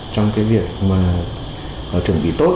trong việc chuẩn bị tốt